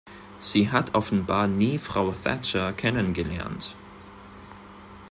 Sie hat offenbar nie Frau Thatcher kennengelernt!